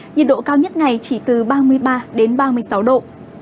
nhiệt độ cao nhất ngày chỉ từ ba mươi ba đến ba mươi sáu độ